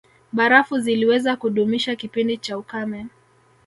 Barafu ziliweza kudumisha kipindi cha ukame